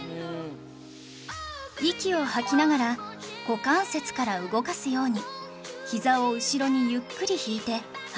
息を吐きながら股関節から動かすようにひざを後ろにゆっくり引いて８秒キープ